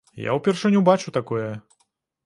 Я ўпершыню бачу такое.